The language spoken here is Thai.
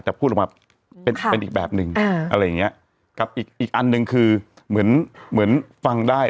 แต่พูดออกมาเป็นอีกแบบนึงอะไรอย่างนี้อีกอันหนึ่งคือเหมือนฟังได้